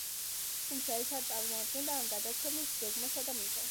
თუმცა, ეს არ წარმოადგენდა ამ გადაცემის გეგმასა და მიზანს.